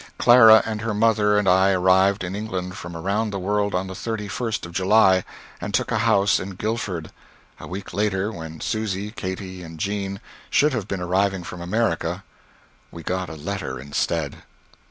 Clara and her mother and I arrived in England from around the world on the 31st of July, and took a house in Guildford. A week later, when Susy, Katy and Jean should have been arriving from America, we got a letter instead.